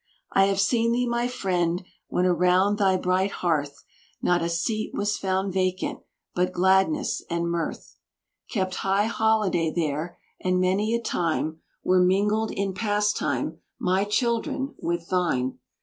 I have seen thee, my friend, when around thy bright hearth Not a seat was found vacant, but gladness and mirth Kept high holiday there, and many a time Were mingled in pastime my children with thine.